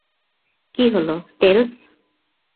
কী হল, টেলস?